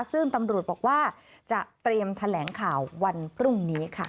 ซึ่งตำรวจบอกว่าจะเตรียมแถลงข่าววันพรุ่งนี้ค่ะ